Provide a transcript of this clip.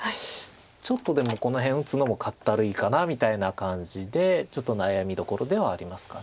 ちょっとでもこの辺打つのもかったるいかなみたいな感じで悩みどころではありますか。